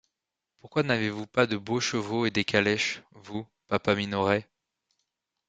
Pourquoi n’avez-vous pas de beaux chevaux et des calèches, vous, papa Minoret?